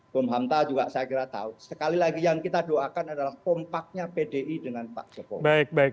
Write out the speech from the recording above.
bum hamta juga saya kira tahu sekali lagi yang kita doakan adalah kompaknya pdi dengan pak jokowi